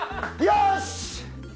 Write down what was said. よし！